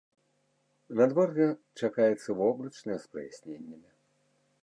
Надвор'е чакаецца воблачнае з праясненнямі.